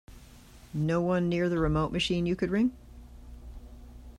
No one near the remote machine you could ring?